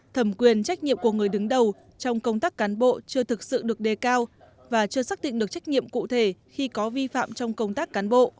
thẩm quyền trách nhiệm của người đứng đầu trong công tác cán bộ chưa thực sự được đề cao và chưa xác định được trách nhiệm cụ thể khi có vi phạm trong công tác cán bộ